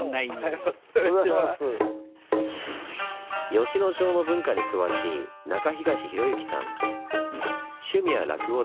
吉野町の文化に詳しい中東洋行さん。